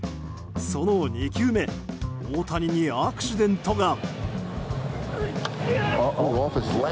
その２球目大谷にアクシデントが。